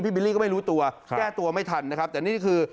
บิลลี่ก็ไม่รู้ตัวแก้ตัวไม่ทันนะครับแต่นี่คือ